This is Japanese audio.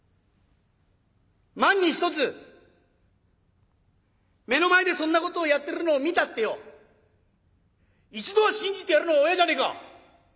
万に一つ目の前でそんなことをやってるのを見たってよ一度は信じてやるのが親じゃねえか。